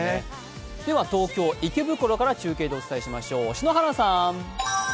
では東京・池袋から中継でお伝えしましょう。